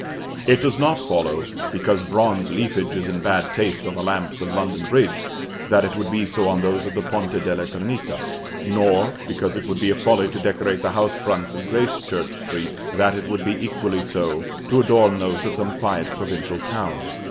It does not follow, because bronze leafage is in bad taste on the lamps of London Bridge, that it would be so on those of the Ponte della Trinita; nor, because it would be a folly to decorate the house fronts of Gracechurch Street, that it would be equally so to adorn those of some quiet provincial town.